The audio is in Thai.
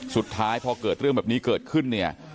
สุดท้ายพอเกิดเรื่องแบบนี้เกิดขึ้นเนี่ย